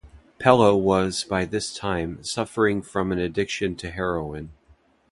Pellow was by this time suffering from an addiction to heroin.